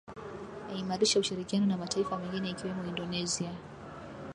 eimarisha ushirikiano na mataifa mengine ikiwemo indonesia